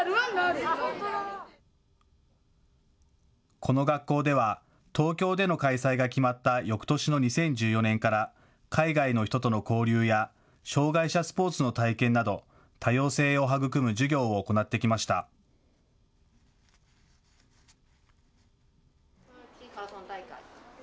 この学校では、東京での開催が決まったよくとしの２０１４年から、海外の人との交流や障害者スポーツの体験など、多様性を育む授業を行ってきました。